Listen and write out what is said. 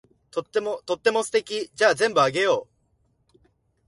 とっても素敵。じゃあ全部あげよう。